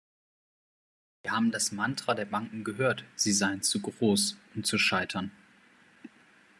Wir haben das Mantra der Banken gehört, sie seien zu groß, um zu scheitern.